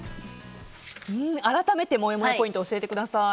改めてもやもやポイント教えてください。